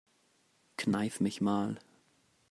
Kneif mich mal.